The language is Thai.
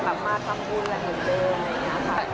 แบบมาทำบุญอะไรเหมือนเดิมอย่างนี้ค่ะ